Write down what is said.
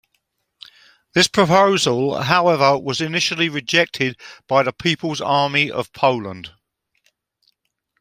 This proposal, however, was initially rejected by the People's Army of Poland.